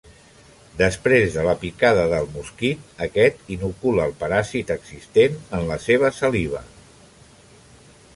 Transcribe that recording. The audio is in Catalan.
Després de la picada del mosquit, aquest inocula el paràsit existent en la seva saliva.